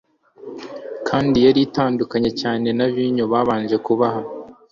kandi yari itandukanye cyane na vino babanje kubaha.